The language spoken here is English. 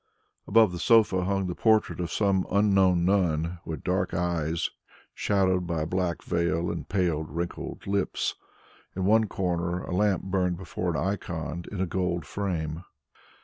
Above the sofa hung the portrait of some unknown nun with dark eyes shadowed by a black veil and pale wrinkled lips. In one corner, a lamp burned before an icon in a gold frame.